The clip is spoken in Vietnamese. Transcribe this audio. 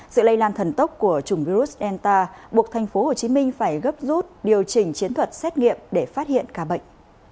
sự lây lan thần tốc của chủng virus delta buộc thành phố hồ chí minh phải gấp rút điều chỉnh chiến thuật xét nghiệm để phát hiện ca bệnh